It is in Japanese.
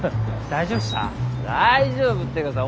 大丈夫ってかさ。